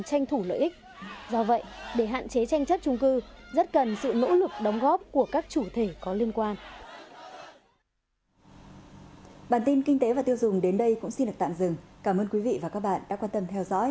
chủ tư rất cần sự nỗ lực đóng góp của các chủ thể có liên quan